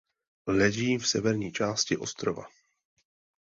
Leží v severní části ostrova.